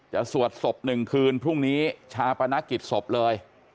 สวดศพ๑คืนพรุ่งนี้ชาปนกิจศพเลย